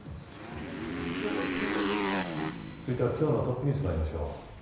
続いては今日のトップニュースまいりましょう。